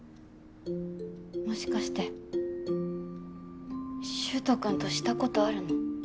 もしかして柊人君とシたことあるの？